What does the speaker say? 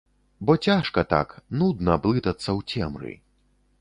Бо цяжка так, нудна блытацца ў цемры.